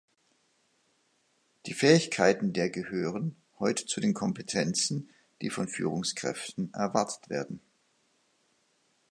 Die Fähigkeiten der gehören heute zu den Kompetenzen, die von Führungskräften erwartet werden.